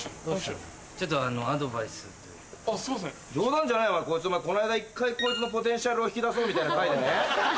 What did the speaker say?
冗談じゃないよこいつこないだ一回こいつのポテンシャルを引き出そうなみたいな回でね